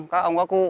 các ông có cụ